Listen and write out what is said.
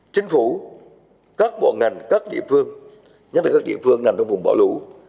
chính phủ các bộ ngành các địa phương nhất là các địa phương nằm trong vùng bão lũ